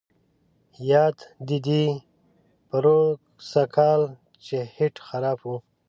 یاد دي دي پروسږ کال چې هیټ خراب وو.